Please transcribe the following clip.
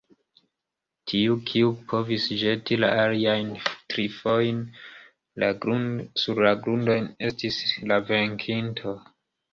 Tiu, kiu povis ĵeti la alian trifoje sur la grundon, estis la venkinto.